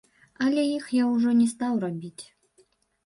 Але іх я ўжо не стаў рабіць.